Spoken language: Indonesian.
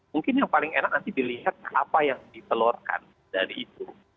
mungkin yang paling enak nanti dilihat apa yang ditelurkan dari itu